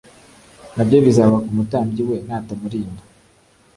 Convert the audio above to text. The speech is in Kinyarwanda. na byo bizaba ku mutambyi we natamurinda